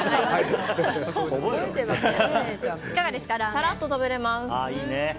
さらっと食べれます。